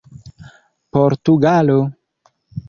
portugalo